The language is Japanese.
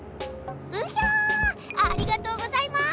うひゃありがとうございます！